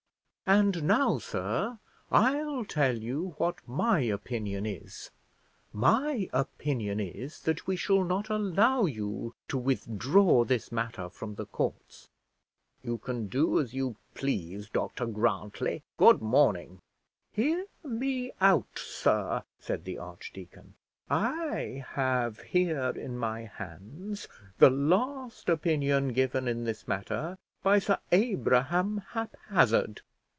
And now, sir, I'll tell you what my opinion is: my opinion is, that we shall not allow you to withdraw this matter from the courts." "You can do as you please, Dr Grantly; good morning." "Hear me out, sir," said the archdeacon; "I have here in my hands the last opinion given in this matter by Sir Abraham Haphazard.